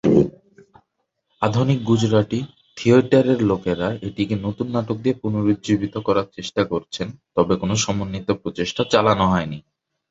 আধুনিক গুজরাটি থিয়েটারের লোকেরা এটিকে নতুন নাটক দিয়ে পুনরুজ্জীবিত করার চেষ্টা করছেন তবে কোনও সমন্বিত প্রচেষ্টা চালানো হয়নি।